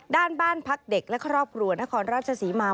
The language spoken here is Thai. บ้านพักเด็กและครอบครัวนครราชศรีมา